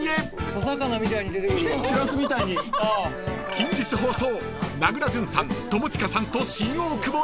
［近日放送］